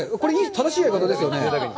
正しいやり方ですよね？